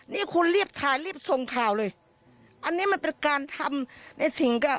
นี่คุณรีบถ่ายรีบส่งข่าวเลยอันนี้มันเป็นการทำในสิ่งเก่า